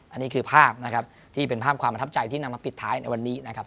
อันนี้คือภาพนะครับที่เป็นภาพความประทับใจที่นำมาปิดท้ายในวันนี้นะครับ